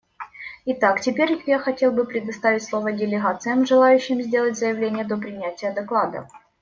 Итак, теперь я хотел бы предоставить слово делегациям, желающим сделать заявление до принятия доклада.